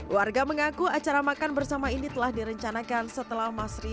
warga mengaku acara makan bersama ini telah direncanakan setelah mas ria menangkap mas ria